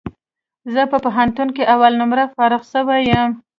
زه په پوهنتون کي اول نمره فارغ سوی یم